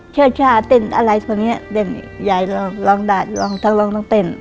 ชาวเต้นอะไรพอเนี่ยยายร้องได้ทั้งต้องเต้น